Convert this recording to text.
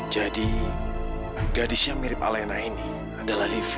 jadi gadis yang mirip alena ini adalah livi